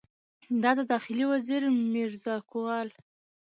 د داخلي وزیر میرزکوال